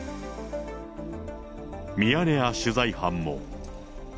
ミヤネ屋取材班も。